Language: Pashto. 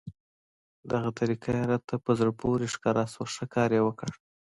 دغه طریقه یې راته په زړه پورې ښکاره شوه، ښه کار یې وکړ.